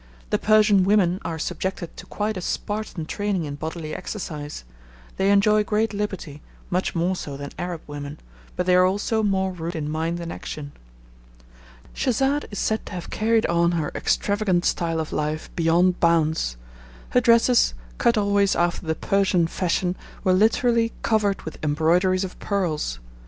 The Persian women are subjected to quite a Spartan training in bodily exercise; they enjoy great liberty, much more so than Arab women, but they are also more rude in mind and action. Schesade is said to have carried on her extravagant style of life beyond bounds; her dresses, cut always after the Persian fashion, were literally covered with embroideries of pearls.